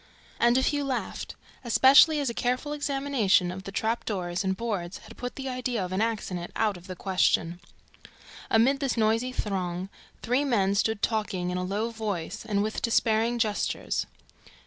And a few laughed, especially as a careful examination of the trap doors and boards had put the idea of an accident out of the question. Amid this noisy throng, three men stood talking in a low voice and with despairing gestures.